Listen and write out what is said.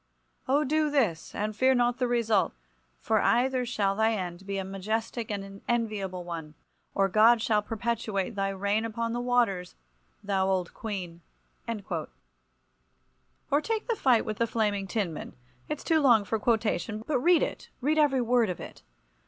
Oh, do this, and fear not the result, for either shall thy end be a majestic and an enviable one; or God shall perpetuate thy reign upon the waters, thou Old Queen!" Or take the fight with the Flaming Tinman. It's too long for quotation—but read it, read every word of it.